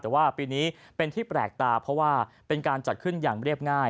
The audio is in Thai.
แต่ว่าปีนี้เป็นที่แปลกตาเพราะว่าเป็นการจัดขึ้นอย่างเรียบง่าย